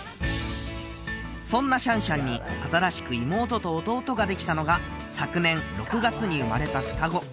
そんなシャンシャンに新しく妹と弟ができたのが昨年６月に生まれた双子